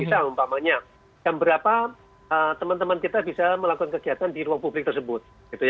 misal misalnya yang berapa teman teman kita bisa melakukan kegiatan di ruang publik tersebut